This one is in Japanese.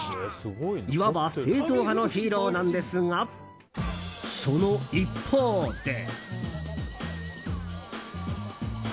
いわば正統派のヒーローなんですがその一方で。